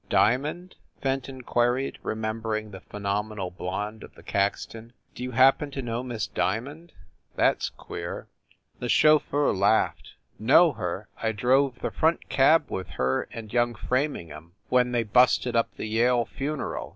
" Diamond ?" Fenton queried, remembering the phenomenal blonde of the Caxton, "do you happen to know Miss Diamond? That s queer." WYCHERLEY COURT 243 The chauffeur laughed. "Know her? I drove the front cab with her and young Framingham when they busted up the Yale funeral